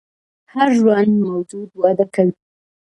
هر ژوندی موجود وده کوي